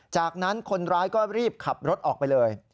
จากนั้นคนร้ายก็รีบขับรถออกไปเลย